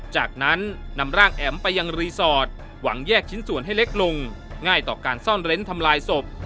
จากนั้นนำร่างแอ๋มไปยังรีสอร์ทหวังแยกชิ้นส่วนให้เล็กลงง่ายต่อการซ่อนเร้นทำลายศพ